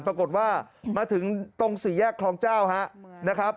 ปรากฏว่ามาถึงตรงสี่แยกคลองเจ้านะครับ